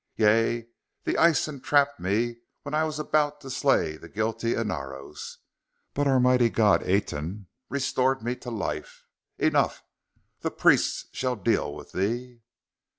Yea, the ice entrapped me when I was about to slay the guilty Inaros but our mighty god Aten restored me to life! Enough! The priests shall deal with thee!"